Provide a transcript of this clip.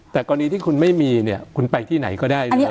แต่กรณีที่คุณไม่มีเนี่ยคุณไปที่ไหนก็ได้ด้วย